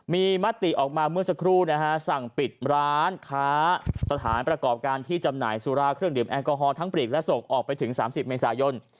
มีมติออกมาเมื่อสักครู่นะฮะสั่งปิดร้านค้าสถานประกอบการที่จำหน่ายสุราเครื่องดื่มแอลกอฮอลทั้งปลีกและส่งออกไปถึง๓๐เมษายน